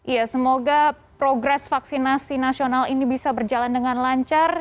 ya semoga progres vaksinasi nasional ini bisa berjalan dengan lancar